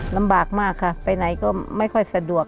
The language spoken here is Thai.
ลำบากมากค่ะไปไหนก็ไม่ค่อยสะดวก